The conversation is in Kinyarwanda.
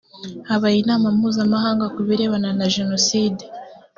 habaye inama mpuzamahanga ku birebana na jenoside.